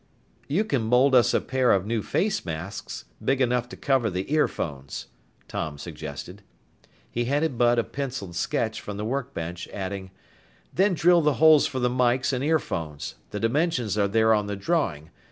"You can mold us a pair of new face masks big enough to cover the earphones," Tom suggested. He handed Bud a penciled sketch from the workbench, adding, "Then drill the holes for the mikes and earphones the dimensions are there on the drawing.